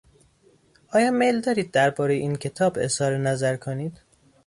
آیا میل دارید دربارهی این کتاب اظهار نظر کنید؟